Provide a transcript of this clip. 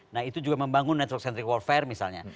nah itu juga membangun network centric warfare misalnya